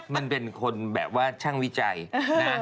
มันเป็นคนช่างวิจัยนะ